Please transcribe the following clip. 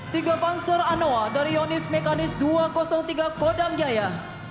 tiga panser anoa dari yonif mekanis dua ratus tiga kodam jaya